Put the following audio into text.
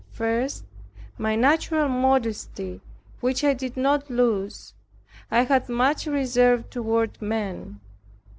First, my natural modesty, which I did not lose. I had much reserve toward men.